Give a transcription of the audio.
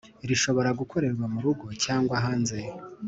Rishobora gukorerwa mu rugo cyangwa hanze